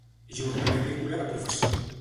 Jornaler agrícola de professió.